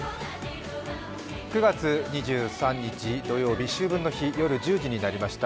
９月２３日土曜日、秋分の日夜１０時になりました。